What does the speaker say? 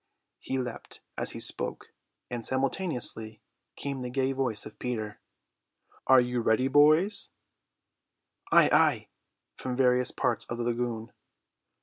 He leaped as he spoke, and simultaneously came the gay voice of Peter. "Are you ready, boys?" "Ay, ay," from various parts of the lagoon.